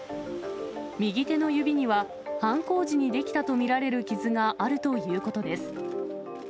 右手の指には、犯行時に出来たと見られる傷があるということです。